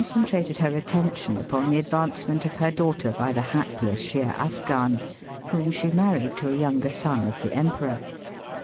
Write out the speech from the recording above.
283 trated her attention upon the advancement of her daughter hy the hapless Sheer Afgan, whom she married to a younger son of the Emperor.